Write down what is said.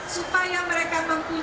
supaya mereka mempunyai kemampuan